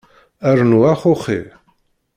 Rnu axuxi.